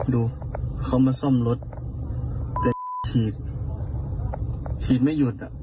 ดูนะมันฉีดยากันอยู่